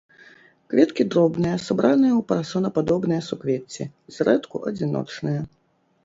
Кветкі дробныя, сабраныя ў парасонападобныя суквецці, зрэдку адзіночныя.